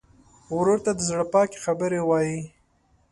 ورور ته د زړه پاکې خبرې وایې.